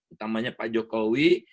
utamanya pak jokowi